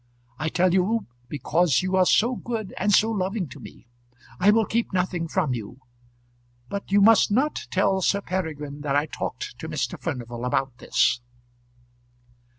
I tell you because you are so good and so loving to me. I will keep nothing from you; but you must not tell Sir Peregrine that I talked to Mr. Furnival about this."